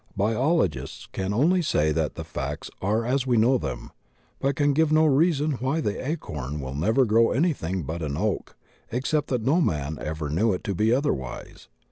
Biologists can only say that the facts are as we know them, but can give no reason why the acorn will never grow anything but an oak except that no man ever knew it to be otherwise.